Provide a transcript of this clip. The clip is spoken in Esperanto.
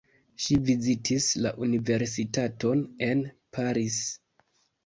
Ŝi vizitis la universitaton en Paris.